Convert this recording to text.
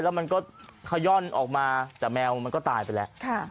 แล้วมันก็ขย่อนออกมาแต่แมวมันก็ตายไปแล้ว